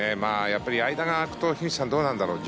やっぱり間が空くと樋口さん、どうなんだろう。